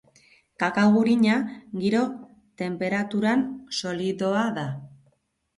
Kakao gurina giro-tenperaturan solidoa da.